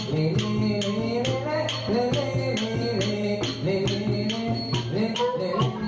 มันงานศพ